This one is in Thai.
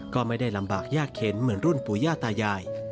ก็ไม่ได้ลำบากยากเข็นเหมือนรุ่นปู่ย่าตายาย